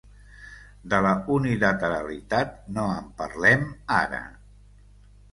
De la unilateralitat, no en parlem, ara.